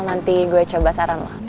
nanti gue coba saran